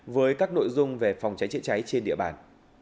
với các nội dung về phòng cháy chữa cháy trên địa bàn